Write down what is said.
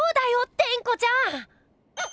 テンコちゃん！